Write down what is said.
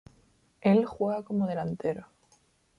Él juega como delantero.